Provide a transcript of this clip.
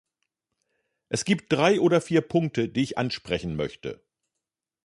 Es gibt drei oder vier Punkte, die ich ansprechen möchte.